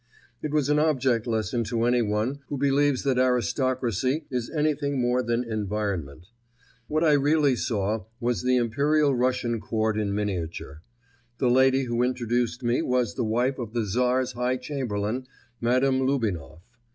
It was an object lesson to anyone who believes that aristocracy is anything more than environment. What I really saw was the Imperial Russian Court in miniature. The lady who introduced me was the wife of the Tsar's High Chamberlain, Madame Lubinoff.